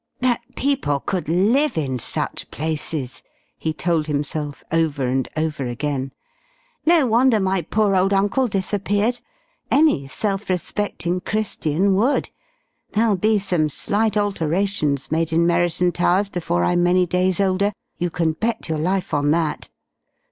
"That people could live in such places!" he told himself, over and over again. "No wonder my poor old uncle disappeared! Any self respecting Christian would. There'll be some slight alterations made in Merriton Towers before I'm many days older, you can bet your life on that.